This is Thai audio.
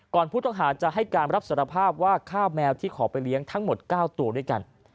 ผู้ต้องหาจะให้การรับสารภาพว่าฆ่าแมวที่ขอไปเลี้ยงทั้งหมด๙ตัวด้วยกัน